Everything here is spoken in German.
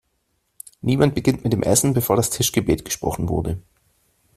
Niemand beginnt mit dem Essen, bevor das Tischgebet gesprochen wurde!